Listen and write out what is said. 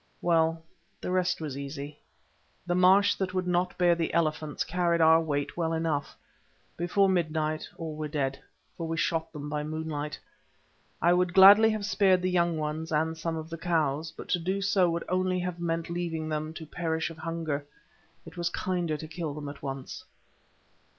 Well, the rest was easy. The marsh that would not bear the elephants carried our weight well enough. Before midnight all were dead, for we shot them by moonlight. I would gladly have spared the young ones and some of the cows, but to do so would only have meant leaving them to perish of hunger; it was kinder to kill them at once.